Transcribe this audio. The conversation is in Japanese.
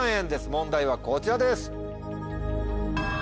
問題はこちらです。